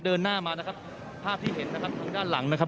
เดินหน้ามานะครับภาพที่เห็นนะครับทางด้านหลังนะครับ